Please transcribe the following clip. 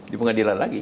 di pengadilan lagi